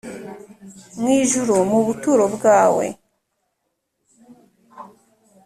Mu Ijuru Mu Buturo Bwawe